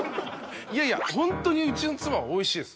いやいやホントにうちの妻はおいしいです。